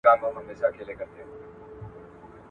ستا په غاړه كي امېـل دى